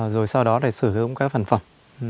rồi sau đó để sử dụng các phần phẩm